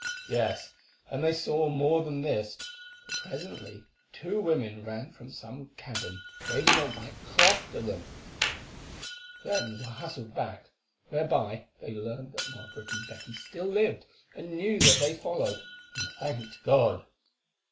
Yes, and they saw more than this, for presently two women ran from some cabin waving a white cloth to them; then were hustled back, whereby they learned that Margaret and Betty still lived and knew that they followed, and thanked God.